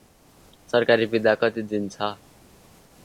सरकारी बिदा कति दिन छ?